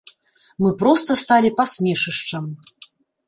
Мы проста сталі пасмешышчам.